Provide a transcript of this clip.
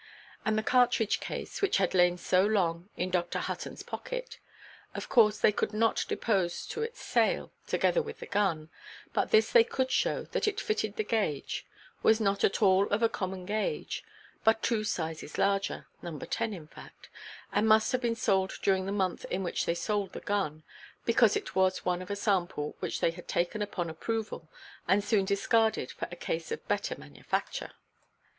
And the cartridge–case, which had lain so long in Dr. Huttonʼs pocket, of course they could not depose to its sale, together with the gun; but this they could show, that it fitted the gauge, was not at all of a common gauge, but two sizes larger—No. 10, in fact—and must have been sold during the month in which they sold the gun, because it was one of a sample which they had taken upon approval, and soon discarded for a case of better manufacture.